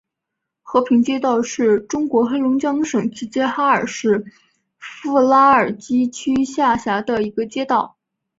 和平街道是中国黑龙江省齐齐哈尔市富拉尔基区下辖的一个街道。